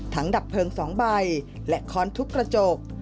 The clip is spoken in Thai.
ดับเพลิง๒ใบและค้อนทุบกระจก